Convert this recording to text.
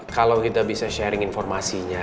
kalau kita bisa sharing informasinya